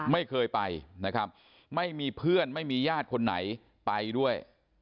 ไม่เคยไปนะครับไม่มีเพื่อนไม่มีญาติคนไหนไปด้วย